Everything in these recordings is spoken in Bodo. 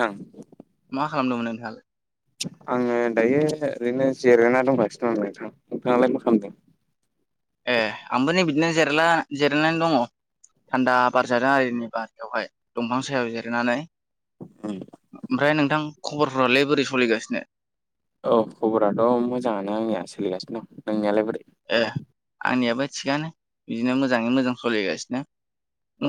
नोंथां मा खालामदोंमोन नोंथाल आङो दायो ओरैनो जिरायना दंखासिनो आं नोंथां नोंथाङालाय मा खालामदों ए आंबो नै बिदिनो जला जिरायनानै दङ थान्दा बार जादों आरोनि बारायावहाय दंफां सायाव जिरनानै ओमफ्राय नोंथां खबरफोरालै बोरै सोलिगासिनो औ खबराथ' मोजाङानो आंनिया सोलिगासिनो दं नोंनियाालाय बोरै ए आंनियाबो थिगानो बिदिनो मोजाङै मोजां सलिगासिनो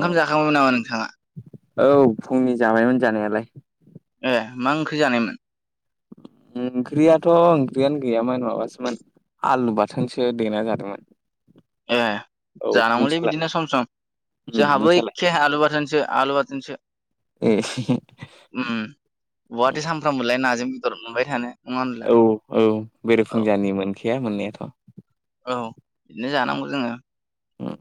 औ जाखांोममोन नामा नोंथाङा औ फुंनि जाबायमोन जानायालाय ए मा ओंख्रि जानायमोन ओंख्रियाथ' ओंख्रियानो गैयामोन माबासोमोन आलु बाथोनसो देनाय जादोंमोन ए औ जानांगौलै नोंसालाय बिदिनो सम सम उम जोंहाबो नोंसालाय आलु बाथोनसे आलु बाथोनसो ए बहाथो सामफ्रामबोलाय नाजों बेदर मोनबाय थानो नङा होनब्ला? औ औ औ बेरेफुंजानि मोनखाया मोननायाथ' औ बिदिनो जानांगौ जोङो ह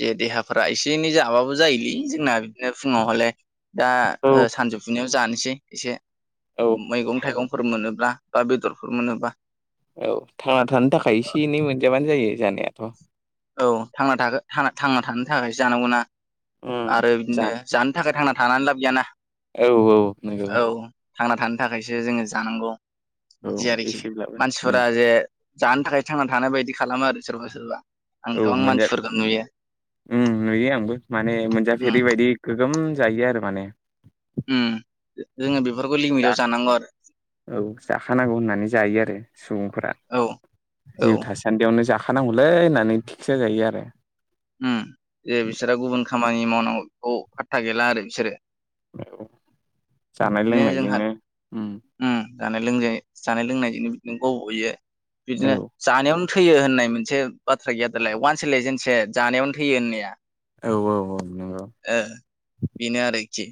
जे देहाफोरा एसे एनै जाबाबो जायोलै जोंना बिदिनो फुङावहलाय दा औ सानजौ सुनायाव जानोसै एसे औ मैगं थाइगंफोर मोनोब्ला बा बेदरफोर मोनोब्ला औ थांना थानो थाखाय एसे एनै मोनजाबानो जायो जानायाथ' औ थांना थांना थानो थाखायो जानांगौ नना उम आरो जा बिदिनो जानो थाखाय थांना थानानै लाब गैयाना औ औ नंगौ औ थांना थानो थाखायसो जोङो जानांगौ औ बिदि आरोखि एसेब्लाबो उम मानसिफोरा जे जानो थाखाय थांना थानाय बायदि खालामो आरो सोरबा सोरबा आं औ गोबां मोनजा मानसिफोरखौ नुयो नुयो आंबो माने मोनजाफै उम ओरैबायदि गोगोम जायो आरो माने जोङो बेफोरखौ दा लिमिटव जानांगौ आरो औ जाखानांगौ होननानै जायो आरो सुबुंफोरा औ औ सान्देआवनो जाखानांगौलै होननानै थिग जाजायो आरो जे बिसोरो गुबुन खामानि मावनांगौ बेखौ फार्था गैला आरो बिसोरो जानाय बिदिनो जोंहा लोंनायजोंनो जानाय लों जानाय लोंनायजोंनो बिदिनो गब'यो औ बिदिनो जानायावनो थैयो होननाय मोनसे बाथ्रा गैया दालाय वानसलाय जेनस जानायावनो थैयो होननाया औ -औ -औ नंगौ ओ बेनो आरोखि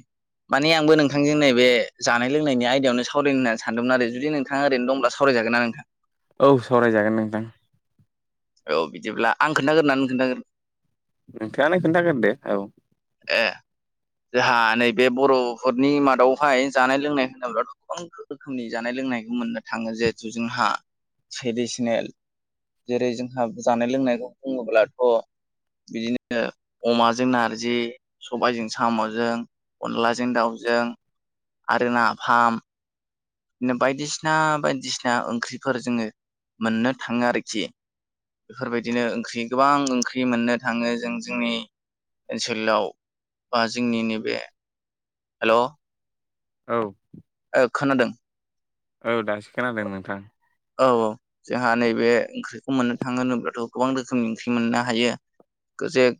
माने आंबो नोंथांजों नैबे जानाय लोंनायनि आयदायावनो सावरायनो होननानै सानदोंमोन आरो जुदि नों नोंथां ओरैनो दंब्ला सरायागोना नोंथां औ सावरायजागोन नोंथां औ बिदिब्ला आं खोनन्थागोन ननानै खोनन्थागोन नोंथाङा नायखौोनथागार दे औ ए जोंहा नैबे बर'फोरनि मादावहाय जानाय लोंनाय होनोब्लाथ' गोबां रोखोमनि जानाय लोंनायखौ मोननो थाङो जिहेथु जोंहा ट्रेडिसनेल जेरै जोंहा जानाय लोंनायखौ बुङोब्लाथ' बिदिनो अमाजों नारजि सबायजों साम'जों अनलाजों दाउजों आरो नाफाम बि बायदिसिना बायदिसिना ओंख्रिफोर जोङो मोननो थाङो आरोखि। बेफोरबायदिनो ओंख्रि गोबां ओंख्रि मोननो थाङो जों जोंनि ओनसोलाव बा जोंनि नैबे हेल' औ ओ खोनादों? औ दासो खोनादों नोंथां। औ-औ जोंहा नैबे ओंख्रिखौ मोननो थाङो होनोब्लाथ' गोबां रोखोमनि ओंख्रि मोननो हायो। गोजेग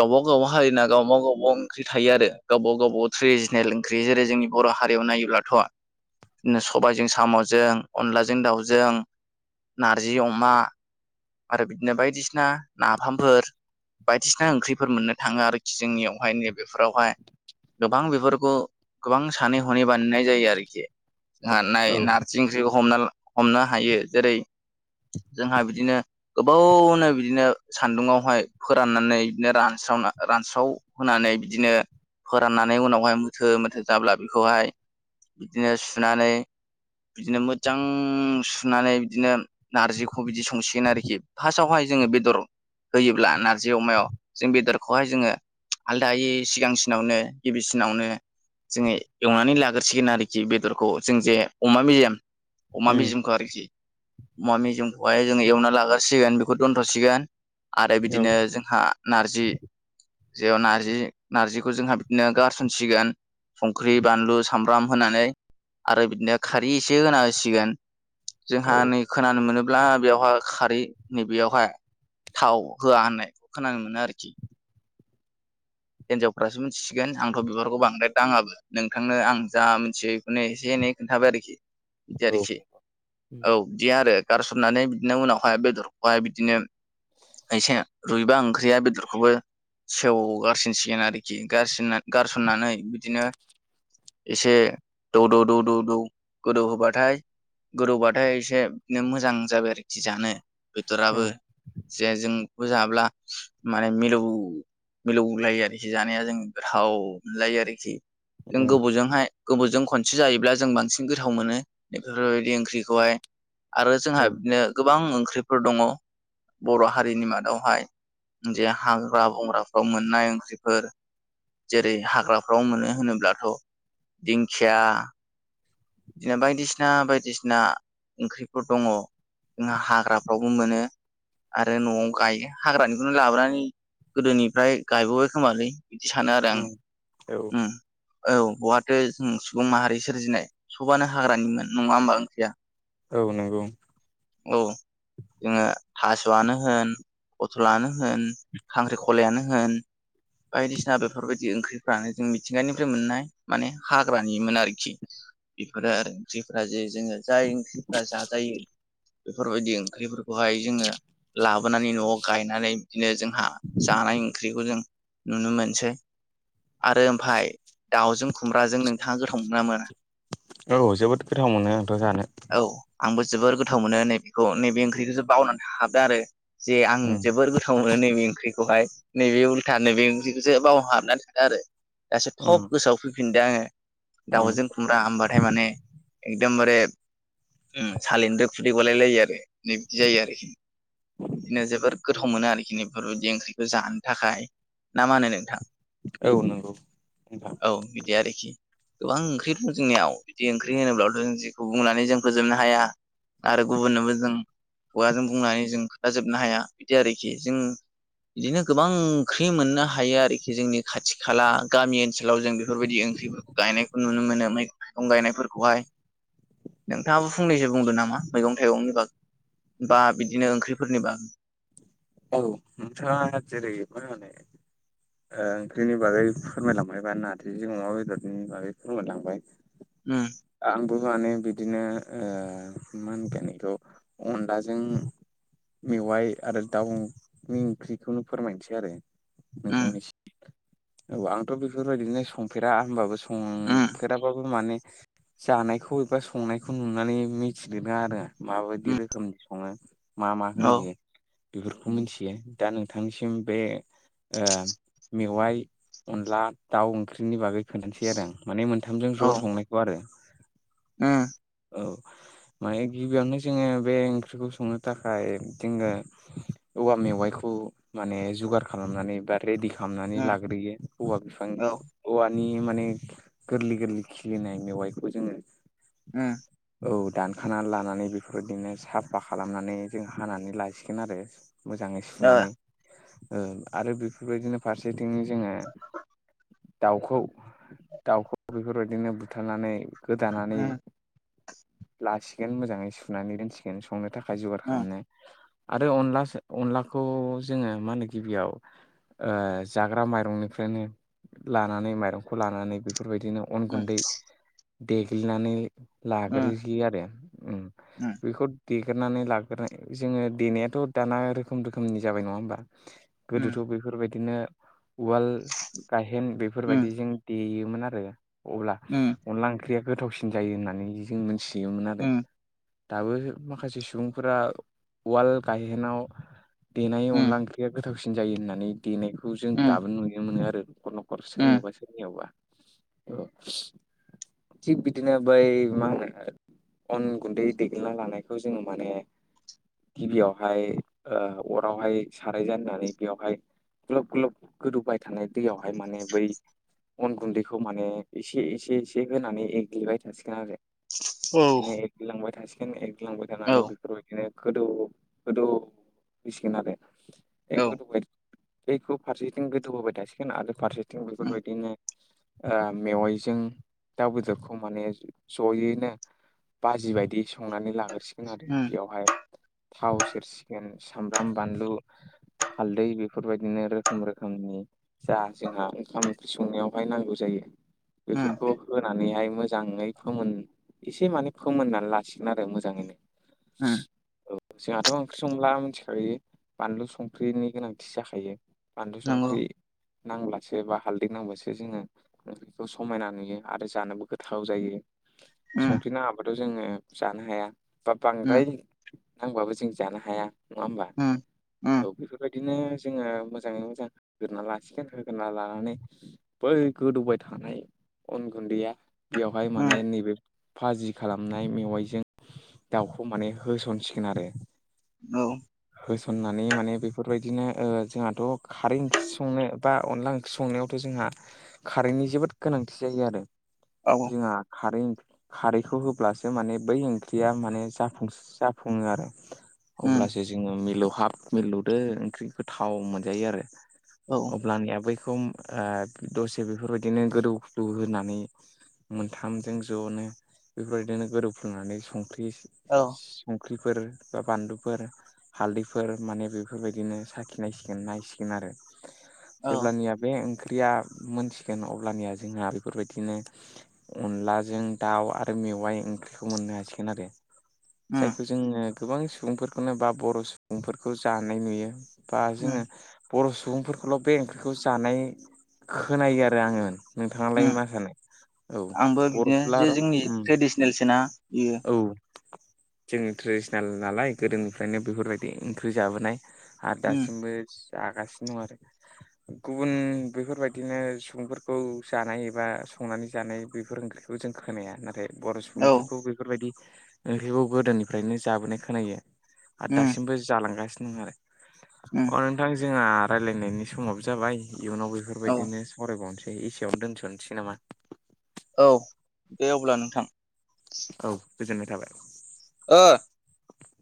गावबा गाव हारिना गावब गाव ओंख्रि थायो आरो गावब गावट्रेडिसनेल जेरै जोंनि बर' हारियाव नायोब्लाथ' स'बायजों साम'जों अनलाजों दाउजों नारजि अमा आरो बिदिनो बायदिसिना नाफामफोर। बायदिसिना ओंख्रिफोर मोननो थाङो आरोखि जोंनियावहाय नैबेफोरावहाय। गोबां बेफोरखौ गोबां सानै है बानायनाय जायो आरोखि जोंहानाय औ नारजि ओंख्रिखौ हम हमनो हायो जेरै जोंहा बिदिनो गोबावनो बिदिनो सान्दुंङावहाय फोराननानै बिदिनो रानस्रावना रानस्राव होनानै बिदिनो फोराननानै उनावहाय मोथो मोथो जाब्ला बेखौहाय बिदिनो सुनानै बिदिनो मोजां सुनानै बिदिनो नारजिखौ बिदि संसिगोन आरोखि। खि फार्स्टआवहाय जोङो बेदर होयोब्ला नारजि अमायाव जों बेदरखौहाय जोङो। आलदायै सिगांसिनावनो गिबिसिनावनो जोङो एवनानै लाग्रसिगोन आरोखि बेदरखौ जों जे अमा मेजेाम अमा उम मेजेमखौ आरोखि अमा मेजेमखौहाय जोङो एवना लागोन सिगोन बेखौ दोनथ'सिगोन आरो औ बिदिनो जोंहा नारजि जेयाव नारजि नार्जिखौ जोंहा बिदिनो गारसनसिगोन। संख्रि बानलु सामब्राम होनानै। आरो बिदिनो खारै एसे होनांसिगोन। जोंहा औ नै खोनानो मोनोब्ला बेवहााय खारै नैबेयावहााय थाव होआ होननायखौ खोनानो मोनो आरोखि हिनजावफ्रासो मिथिसिगोन आंथ' बिबारखौ बांद्राय दाङाबो। नोंथांनो आं जा मिथियो बेखौनो एसे एनै खोनन्थाबाय आरोखि बिदि औ आरोखि। उम औ बिदि आरो गारसननानै बिदिनो उनावहाय बेदरखौहाय बिदिनो एसे रुइबा ओंख्रिया बेदरखौबो सेवगा गारसिनसिगोन आरोखि गारन गारसननानै बिदिनो एसे दौ-दौ-दौ-दौ-दौ गोदौ होबाथाय गोदौबाथाय एसे बिदिनो मोजां जाबाय आरोखि जानो बेदोराबो उम जे जोंखौ जाब्ला माने मिलौ मिलौ गुलायो आरोखि जानाया जों गोथाव मोनलायो आरोखि जों उम गोबावजोंहाय गोबोरजों खनसे जायोब्ला जों बांसिन गोथाव मोनो बेफोरबायदि ओंख्रिखौहाय आरो जोंहा औ बिदिनो गोबां ओंख्रिफोर दङ। बर' हारिनि मादावहाय जे हाग्रा बंग्राफ्राव मोननाय ओंख्रिफोर जेरै हाग्राफ्राव मोनो होनोब्लाथ' दिंखिया बिदिनो बायदिसिना बायदिसिना ओंख्रिफोर दङ जोंहा हाग्राफ्रावबो मोनो। आरो न'आव गायो हाग्रानिखौनो लाबोनानै गोदोनिफ्राय गायबावबाय खोमालै बिदि सानो आरो आं उम औ औ बहाथ' जों सुबुं माहारि सोरजिनाय सबानो हाग्रानिमोन नङा होनोमबा ओंख्रिया औ नंगौ। औ जोङो थास'आनो होन बथलानो होन, खांख्रिखलायानो होन बायदिसिना बेफोरबायदि ओंख्रिफ्रानो जों मिथिंगानिफ्राय मोननाय माने हाग्रानिमोन आरोखि बेफोरो आरो जिफोरा जोङो जाय ओंख्रिफ्रा जाजायो बेफोरबायदि ओंख्रिफोरखौहाय जोङो लाबोनानै न'आव गायनानै बिदिनो जों जानाय ओंख्रिखौ जों नुनो मोनसै आरो ओमफफ्राय दावजों खुमब्राजों नोंथाङा गोथाव मोनोना मोना? औ जोबोद गोथाव मोनो आंथ' जानो औ आंबो जोबोर गोथाव मोनो नैबेखौ नैबे ओंख्रिखौसो बावनानै हाबदों आरो जे आं उम जोबोर गोथाव मोनो नैबे ओंख्रिखौहाय नैबे उल्था नैबे ओंख्रिखौसो बावनो हाबनानै थाङो आरो दासो थब उम गोसोआव फैफिनदों आङो उम दाउजों खुमब्रा होमबाथाय माने एदमबारे उ सालिनिफ्राय खुदैबलाय लायो आरो बिदि जायो आरोखि बिदिनो जोबोर गोथाव मोनो आरोखि बेफोरबायदि ओंख्रिखौ जानो थाखाय ना मा होनो नोंथां? औ नंगौ नबा। औ बिदि आरोखि गोबां ओंख्रि दं जोंनियाव बिदि ओंख्रि होनोब्लाथ' जेखौ बुंनानै जों फोजोबनो हाया आरो गुबुननोबो जों खुगाजों बुंनानै जों खोथाजोबनो हाया बिदि आरोखि जों बिदिनो गोबां ओंख्रि मोननो हायो आरोखि जोंनि खाथि खाला गामि ओनसोलाव जों बेफोरबायदि ओंख्रि मोनो। गायनायखौ नुनो मोनो मैाइगं गायनायफोरखौहाय नोंथाङाबो फंनैसो बुंदों नामा मैगं थाइगंनि बागै बा बिदिनो ओंख्रिफोरनि बागै औ नोंथाङा जेरै [inaudible] ओंख्रिनि बागै फोरमायलांबाय बा नारजिजों अमा बेदरनि बागै फोरमायलांबाय। उ आंबो माने बिदिनो मा होनगोन बेखौ अनलाजों मेवाय आरो दाउनि ओंख्रिखौनो फोरमायनोसै आरो उम नोंथांनिसिम औ आंथ' बेफोरबायदिनो संफेरा होनबाबो उम संफेराबाबो माने जानायखौ एबा संनायखौ नुनानै मिथिदों आरो माबायदि उम रोखोमनि सङो मा मा औ होयो। बेफोरखौ मिथियो दा नोंथांनिसिम बे मेवाइ अनला दाउ ओंख्रिनि बागै खोनानोसै आरो आं। माने मोनथामजों ज' संनायखौ आरो ओं औ माने गिबियावनो जोंङो बे ओंख्रिखौ संनो थाखाय जोंङो औवा मेवाइखौ माने जगार खालामनानै बा रेडि खालामनानै उम लाग्रोयो हौवा बिफां औ औवानि माने गोरलै गोरलै खिलिनाय मेवाइखौ जोंङो ओं औ दानखाना लानानै बेफोरबायदिनो साफा खालामनानै जों हानानै लासिगोन। मोजांयै ओ सुनानै आरो बेफोर बायदिनो सुनानै फारसेथिं जोंङो दाउखौ दाउखौ बेफोरबायदिनो बुथारनानै गोदानानै उम लासिगोन मोजांङै सुनानै दोनसिगोन संनो थाखाय जगार उम खालामनो आरो अनलाो अनलाखौ जोङो मा होनो गिबियाव जाग्रा माइरंनिफ्रायनो लानानै माइरंखौ लानानै बेफोरबायदिनो अन गुन्दै देग्लिनानै लाग्रोयो आरो उम बेखौ देगेरनानै लाग्र जोंङो देनायाथ' दाना रोखोम रोखोमनि जाबाय नंङा होमबा उम गोदोथ' बेफोरबायदिनो उवाल गायेन उम बेफोरबायदि जों देयोमोन आरो अब्ला उम उम अनला ओंख्रिया गोथावसिन जायो होननानै जों मोनथि देयोमोन आरो दाबो माखासे सुबुंफोरा उवाल गायहेनाव देनाय अनला उम ओंख्रिया गोथावसिन जायो होननानै देनायखौ जों दाबो नुनो मोनो आरो न'खर न'खर उम सोरनियावबाो औ थिग बिदिनो बै मा होनो अन गुन्दै दैग्लिना लानायखौ जोंङो माने गिबियावहाय अरावहाय साराय ज होननानै बेयावहाय ग्लब ग्लब गोदौबाय थानाय दैयावहाय माने बै अन गुन्दैखौ माने एसे एसे एसे होनानै एग्लिबाय थासिगोन आरो बिदिनो एग लांबाय थासिगोन एग लांबाय औ थानानै बेफोरबायदिनो गोदौ गोदौफैसिगोन आरो बे औ गोदौ बाय बेखौ फारसेथिं गोदौ होबाय थासिगोन आरो फारसेथिं उम बेफोरबायदिनो मेवाइजों दाउ बेदरखौ माने जयैनो बाजि बायदि संनानै लाग्रसिगोन आरो उम बेयावहाय थाव सेरसिगोन सामब्राम बानलु हालदै बेफोरबायदिनो रोखोम रोखोमनि जा जोंहा ओंखाम ओंख्रि संनायावहाय नांगौ जायो उम बेफोरखौ होनानैहाय मोजांङै फोमोन एसे माने फोमोननानै लासिगोन आरो मोजांङैनो उम जोंहाथ' ओंख्रि संब्ला मिथिखायो बानलु संख्रिनि गोनांथि जाखायो बानलु नंगौ संख्रि नांब्लासो बा हालदै नांब्लासो जोंङो ओंख्रिखौ समायना नुयो आरो जानोबो गोथाव जायो। उम संख्रिनि आबादाव जोंङो जानो हाया बा बांद्राय उम नांबाबो जों जानो हाया नंङा होमबा उम उम औ बेफोरबायदिनो जोंङो मोजांङै मोजां होगोरा लासिगोन होग्रना लानानै बै गोदौबाय थानाय अन गुन्दैया बेवहाय उम माने नैबे फाजि खालामनाय मेवाइजों दाउखौ माने होसनसिगोन आरो औ होसननानै माने बेफोरबायदिनो जोंहाथ' खारै ओंख्रि संनो बा अनला ओंख्रि संनायावथ' जोंहा कारेन्टनि जोबोद गोनांथि जायो आरो औ जोंहा खारै खारैखौ होब्लासो माने बै ओंख्रिया माने जाफुंसा जाफुंङो आरो उम अब्लासो जोंङो मिलौहाब मिललौदो ओंख्रि गोथाव मोनजायो आरो औ अब्लानिया बैखौ दसे बेफोरबायदिनो गोदौ फुदौ होनानै मोनथामजों जनो बेफोरदिनो गोदौफोंनानै संख्रि औ ओंख्रिफोर बा बानलुफोर हालदैफोर माने बेफोरबायदिनो साखिनायसिगोन नायसिगोन आरो औ जेब्लानिया बे ओंख्रिया मोनथिगोन अब्लानिया जोंहा बेफोरबायदिनो अनलाजों दाउ आरो मेवाइ ओंख्रिखौ मोननो हासिगोन आरो उम जायखौ जोङो गोबां सुबुंफोरखौनो बा बर' सुबुंफोरखौ जानाय नुयो बा जोङो उम बर' सुबुंफोरखौल' बे ओंख्रिखौ जानाय खोनायो आरो आङो नोंथाङालाय उम मा सानो औ आंबो बिदिनो जे बरफलार जोंनि ट्रेडिसनेलसोना बियो औ जोंनि ट्रेडिसनेल नालाय गोदोनिफ्रायनो बेफोरबायदि ओंख्रि जाबोनाय आरो उम दासिमबो जागासिनो दं आरो गुबुन बेफोरबायदिनो सुबुंफोरखौ जानाय एबा संनानै जानाय बेफोर ओंख्रि बेखौ जों खोनाया नाथाय बर' औ सुबुंफोरखौ बेफोरबायदि बेखौ गोदोनिफ्रायनो जाबोनाय खोनायो आरो उम दासिमबो जालांगासिनो दं आरो उम अ नोंथां जोंहा रायजलायनायनि समाव जाबाय इयुनाव औ बेफोरबायदिनो सावरायबावनोसै एसेयावनो दोनथ'नोसै नामा औ दे अब्ला नोंथां औ गोजोननाय थाबाय ओ